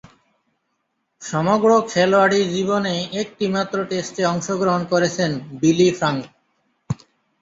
সমগ্র খেলোয়াড়ী জীবনে একটিমাত্র টেস্টে অংশগ্রহণ করেছেন বিলি ফ্রাঙ্ক।